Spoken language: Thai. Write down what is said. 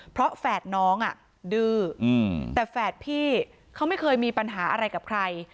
เพราะแฝดน้องดื้อแต่แฝดพี่เขาไม่เคยมีปัญหาอะไรกับใคร